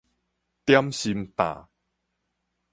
點心擔